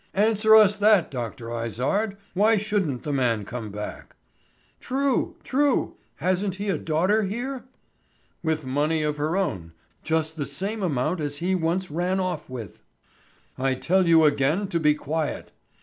"Answer us that, Dr. Izard. Why shouldn't the man come back?" "True, true! Hasn't he a daughter here?" "With money of her own. Just the same amount as he once ran off with." "I tell you again to be quiet."